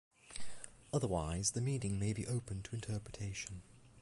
Otherwise, the meaning may be open to interpretation.